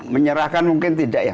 menyerahkan mungkin tidak ya